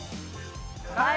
はい。